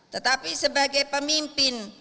tetapi sebagai pemimpin